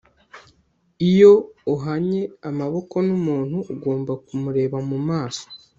iyo uhanye amaboko numuntu, ugomba kumureba mumaso